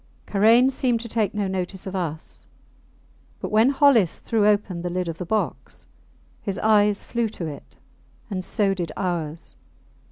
Karain seemed to take no notice of us, but when Hollis threw open the lid of the box his eyes flew to it and so did ours.